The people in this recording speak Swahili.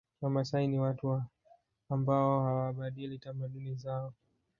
Wamasai ni watu wa ambao hawabadili tamaduni zao